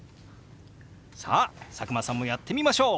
さあ佐久間さんもやってみましょう！